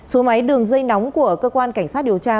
số máy đường dây nóng của cơ quan cảnh sát điều tra